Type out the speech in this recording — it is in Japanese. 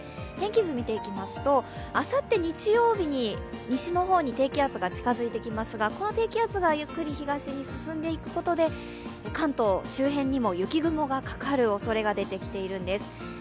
天気図見ていきますと、あさって日曜日に西の方に低気圧が近づいてきますがこの低気圧がゆっくり東に進んでいくことで関東周辺にも雪雲がかかるおそれが出てきているんです。